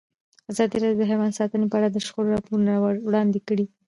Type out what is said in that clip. ازادي راډیو د حیوان ساتنه په اړه د شخړو راپورونه وړاندې کړي.